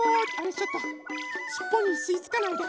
ちょっとしっぽにすいつかないで。